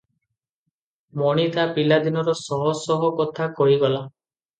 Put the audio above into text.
ମଣି ତା ପିଲାଦିନର ଶହଶହ କଥା କହିଗଲା ।